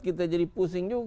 kita jadi pusing juga